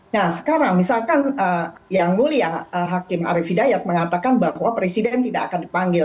nah sekarang misalkan yang mulia hakim arief hidayat mengatakan bahwa presiden tidak akan dipanggil